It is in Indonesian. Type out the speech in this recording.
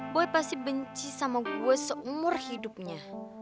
gue pasti benci sama gue seumur hidupnya